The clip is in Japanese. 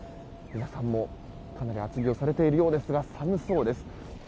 皆さんも厚着をされているようですが寒そうです。